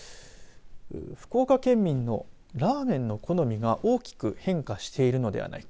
福岡県民のラーメンの好みが大きく変化しているのではないか。